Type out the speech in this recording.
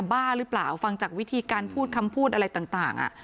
บ้าหรือเปล่าฟังจากวิธีการพูดคำพูดอะไรต่าง